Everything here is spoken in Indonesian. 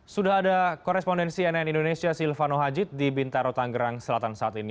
sudah ada korespondensi nn indonesia silvano hajid di bintaro tanggerang selatan saat ini